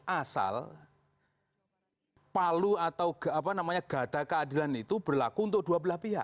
asal palu atau gada keadilan itu berlaku untuk dua belah pihak